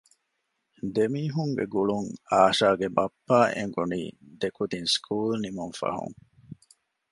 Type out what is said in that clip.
ދެމީހުންގެ ގުޅުން އާޝާގެ ބައްޕައަށް އެނގުނީ ދެކުދިން ސްކޫލް ނިމުން ފަހުން